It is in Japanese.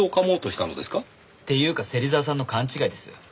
っていうか芹沢さんの勘違いですよ。